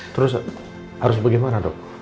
terus harus bagaimana dok